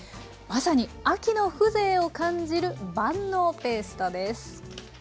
まさに秋の風情を感じる万能ペーストです。